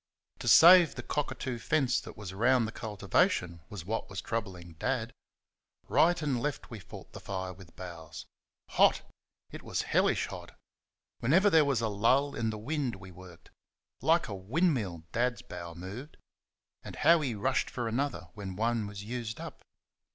To save the cockatoo fence that was round the cultivation was what was troubling Dad. Right and left we fought the fire with boughs. Hot! It was hellish hot! Whenever there was a lull in the wind we worked. Like a wind mill Dad's bough moved and how he rushed for another when one was used up!